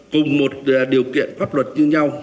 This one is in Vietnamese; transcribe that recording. cùng một điều kiện pháp luật như nhau